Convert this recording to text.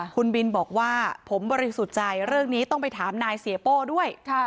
คุณบินบอกว่าผมบริสุทธิ์ใจเรื่องนี้ต้องไปถามนายเสียโป้ด้วย